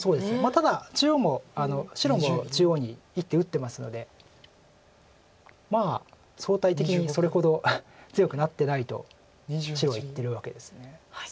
ただ中央も白も中央に１手打ってますのでまあ相対的にそれほど強くなってないと白は言ってるわけです。